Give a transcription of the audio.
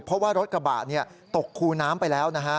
เพราะว่ารถกระบะตกคูน้ำไปแล้วนะฮะ